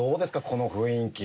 この雰囲気。